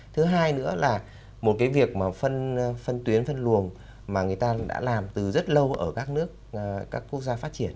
thứ hai nữa là một cái việc mà phân tuyến phân luồng mà người ta đã làm từ rất lâu ở các nước các quốc gia phát triển